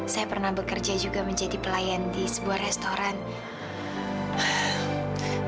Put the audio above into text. saya pernah bekerja juga menjadi pelayan di sebuah restoran